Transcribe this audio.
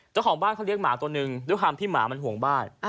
เจ้าของบ้านเขาเลี้ยงหมาตัวหนึ่งด้วยความที่หมามันห่วงบ้าน